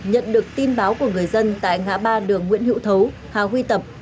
nhận được tin báo của người dân tại ngã ba đường nguyễn hữu thấu hà huy tập